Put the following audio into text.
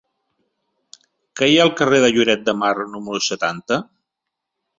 Què hi ha al carrer de Lloret de Mar número setanta?